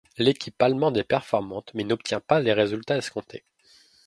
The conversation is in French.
L'équipe allemande est performante, mais n'obtient pas les résultats escomptés.